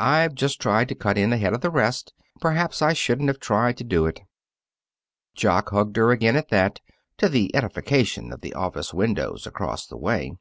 I've just tried to cut in ahead of the rest. Perhaps I shouldn't have tried to do it." Jock hugged her again at that, to the edification of the office windows across the way.